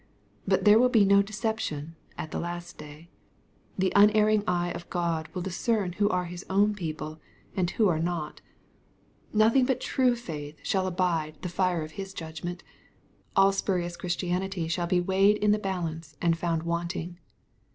But there will be no deception at the last day. The unerring eye of God will discern who are His own people, and who are not. Nothing but true faith shall 1 i MATTHEW, CHAP. XXII. 283 Ebide the fire of His judgment. All spurious Christian ity shall be weighed in the balance and found wanting.